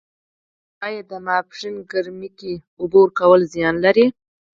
آیا د ماسپښین ګرمۍ کې اوبه ورکول زیان لري؟